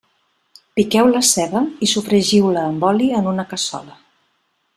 Piqueu la ceba i sofregiu-la amb oli en una cassola.